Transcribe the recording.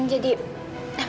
tidak pak fadil